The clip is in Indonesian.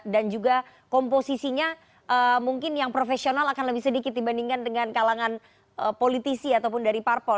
dan juga komposisinya mungkin yang profesional akan lebih sedikit dibandingkan dengan kalangan politisi ataupun dari parpol